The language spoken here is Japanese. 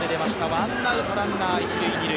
ワンアウトランナー、一・二塁